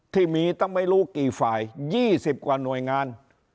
ที่มีตั้งเป็นไม่รู้กี่ฝ่ายยี่สิบกว่านวยงาน